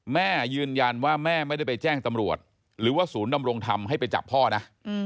แม่ยืนยันว่าแม่ไม่ได้ไปแจ้งตำรวจหรือว่าศูนย์ดำรงธรรมให้ไปจับพ่อนะ